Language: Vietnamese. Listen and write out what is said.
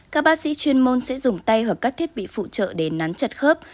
các bác sĩ chuyên môn sẽ dùng tay hoặc các thiết bị phụ trợ để nắn chặt khớp